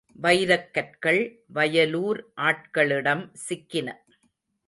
வைரக் கற்கள் வயலூர் ஆட்களிடம் சிக்கின.